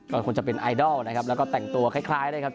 ก็คงจะเป็นไอดอลนะครับแล้วก็แต่งตัวคล้ายนะครับ